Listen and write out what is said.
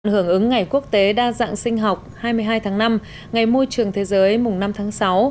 hưởng ứng ngày quốc tế đa dạng sinh học hai mươi hai tháng năm ngày môi trường thế giới mùng năm tháng sáu